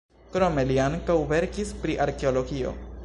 Krome li ankaŭ verkis pri arkeologio.